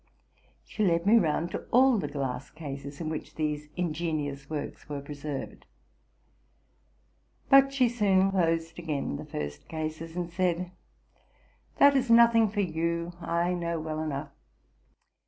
She led me round to all the glass cases in which these ingenious works were preserved. 50 TRUTH AND FICTION But she soon closed again the first cases, and said, "¢ That is nothing for you, I know well enough.